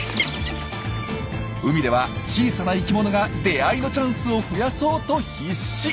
海では小さな生きものが出会いのチャンスを増やそうと必死。